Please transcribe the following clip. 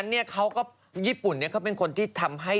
ดังนั้นเขาหยิปุ่นเนี่ยเขาเป็นคนที่ทำให้